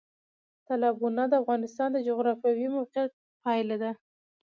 تالابونه د افغانستان د جغرافیایي موقیعت پایله ده.